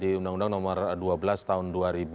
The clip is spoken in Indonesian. di undang undang nomor dua belas tahun